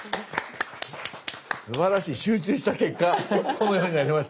すばらしい集中した結果このようになりました。